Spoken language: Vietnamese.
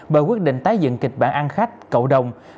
bởi quyết định tái dựng kịch bản ăn khách cậu đồng